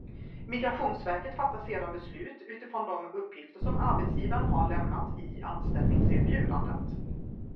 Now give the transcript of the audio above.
Migrationsverket fattar sedan beslut utifrån de uppgifter som arbetsgivaren har lämnat i anställningserbjudandet.